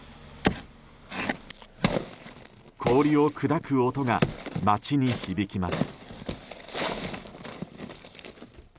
氷を砕く音が町に響きます。